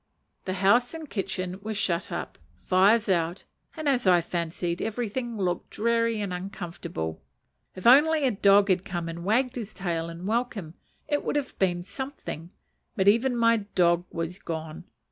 The house and kitchen were shut up, fires out, and, as I fancied, everything looked dreary and uncomfortable. If only a dog had come and wagged his tail in welcome, it would have been something; but even my dog was gone.